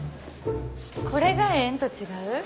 これがええんと違う？